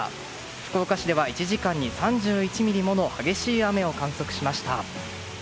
福岡市では１時間に３１ミリもの激しい雨を観測しました。